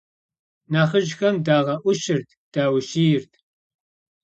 Нэхъыжьхэм дагъэӀущырт, даущийрт.